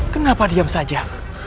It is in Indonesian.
kenapa diam saja